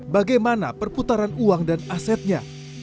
bagaimana perputaran uang dan asetnya